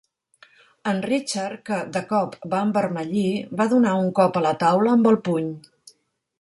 En Richard que, de cop, va envermellir, va donar un cop a la taula amb el puny.